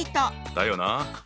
だよな！